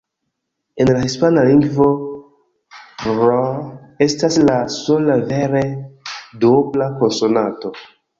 En la hispana lingvo "rr" estas la sola vere duobla konsonanto.